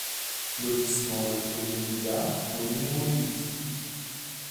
Lotissement Le Clos des Melias au numéro huit